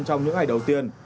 trong những ngày đầu tiên